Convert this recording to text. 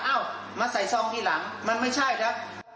เอ้ามาใส่ซองที่หลังมันไม่ใช่นะ